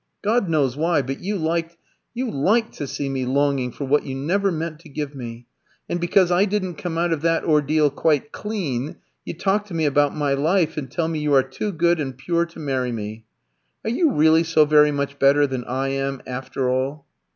God knows why, but you liked you liked to see me longing for what you never meant to give me. And because I didn't come out of that ordeal quite clean, you talk to me about my life, and tell me you are too good and pure to marry me. Are you really so very much better than I am, after all?"